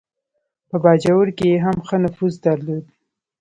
په باجوړ کې یې هم ښه نفوذ درلود.